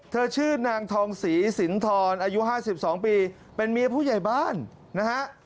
เธอชื่อนางทองศรีสินทรอายุห้าสิบสองปีเป็นเมียผู้ใหญ่บ้านนะฮะ